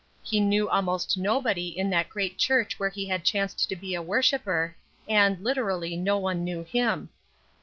He knew almost nobody in that great church where he had chanced to be a worshipper, and, literally no one knew him.